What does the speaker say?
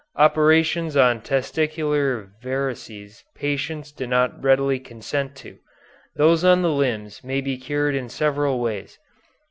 Operations on testicular varices patients do not readily consent to; those on the limbs may be cured in several ways.